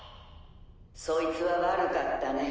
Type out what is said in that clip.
そいつは悪かったね。